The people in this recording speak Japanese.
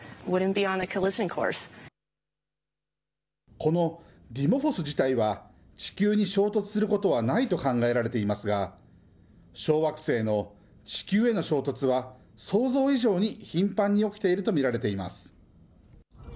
このディモフォス自体は地球に衝突することはないと考えられていますが、小惑星の地球への衝突は想像以上に頻繁に起きていると見られています。